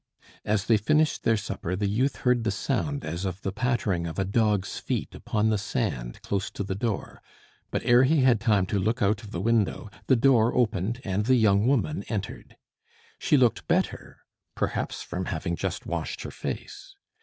As they finished their supper, the youth heard the sound as of the pattering of a dog's feet upon the sand close to the door; but ere he had time to look out of the window, the door opened, and the young woman entered. She looked better, perhaps from having just washed her face.